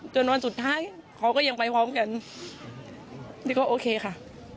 วันสุดท้ายเขาก็ยังไปพร้อมกันนี่ก็โอเคค่ะ